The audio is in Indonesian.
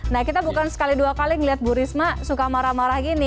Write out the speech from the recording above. nah kita bukan sekali dua kali melihat bu risma suka marah marah gini